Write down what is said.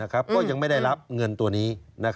ก็ยังไม่ได้รับเงินตัวนี้